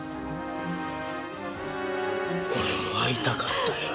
俺も会いたかったよ。